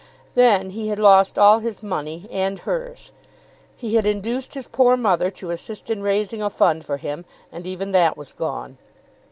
Then he had lost all his money, and hers. He had induced his poor mother to assist in raising a fund for him, and even that was gone.